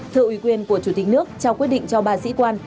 thợ ủy quyền của chủ tịch nước trao quyết định cho ba sĩ quan